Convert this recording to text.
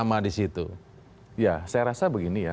ya saya rasa begini ya